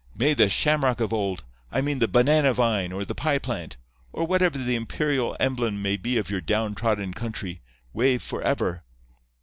May the shamrock of old—I mean the banana vine or the pie plant, or whatever the imperial emblem may be of your down trodden country, wave forever.